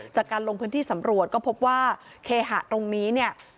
จากการลงพื้นที่สำรวจก็พบว่าเคหะตรงนี้เนี่ย